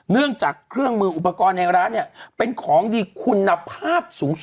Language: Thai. เนื่องจากเครื่องมืออุปกรณ์ในร้านเนี่ยเป็นของดีคุณภาพสูงสุด